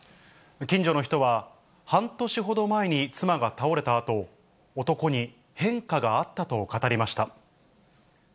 近所の人は、半年ほど前に妻が倒れたあと、男に変化があったと語りました。